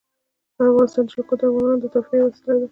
د افغانستان جلکو د افغانانو د تفریح یوه وسیله ده.